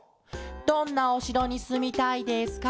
「どんなおしろにすみたいですか？